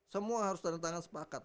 semua harus tanda tangan sepakat